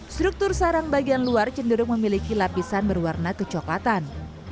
struktur sarang bagian luar cenderung memiliki lapisan berwarna kecoklatan